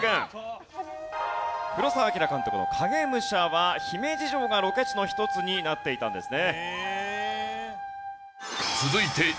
黒澤明監督の『影武者』は姫路城がロケ地の一つになっていたんですね。